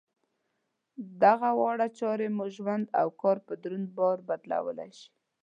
دغه دواړه چارې مو ژوند او کار په دروند بار بدلولای شي.